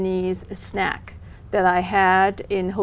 nhưng tôi phải nói